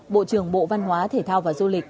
bộ trưởng bộ văn hóa thể thao và du lịch